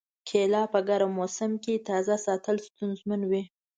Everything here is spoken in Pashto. کېله په ګرم موسم کې تازه ساتل ستونزمن وي.